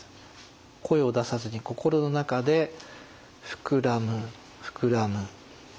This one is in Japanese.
声を出さずに心の中で「ふくらむふくらむ」。